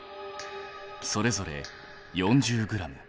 それぞれ４０ｇ。